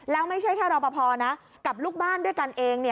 แล้วไม่ใช่แค่รอปภนะกับลูกบ้านด้วยกันเอง